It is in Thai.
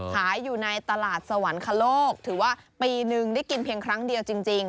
ขายอยู่ในตลาดสวรรคโลกถือว่าปีนึงได้กินเพียงครั้งเดียวจริง